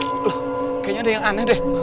kayaknya ada yang aneh deh